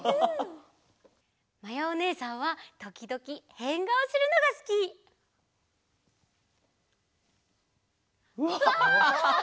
まやおねえさんはときどきへんがおするのがすき！わハハハハ。